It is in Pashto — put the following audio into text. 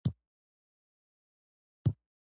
د کار ارزښت په هر ساعت کې لس افغانۍ دی